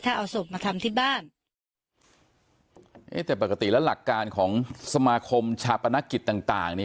ถ้าเอาศพมาทำที่บ้านเอ๊ะแต่ปกติแล้วหลักการของสมาคมชาปนกิจต่างต่างนี่